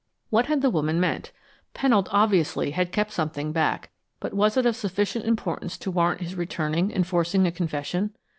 What had the woman meant? Pennold obviously had kept something back, but was it of sufficient importance to warrant his returning and forcing a confession?